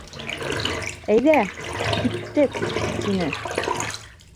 — Әйҙә, киттек, — тине.